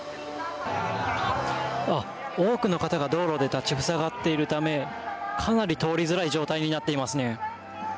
多くの方が道路で立ち塞がっているためかなり通りづらい状態になっていますね。